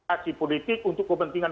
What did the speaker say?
asli politik untuk kepentingan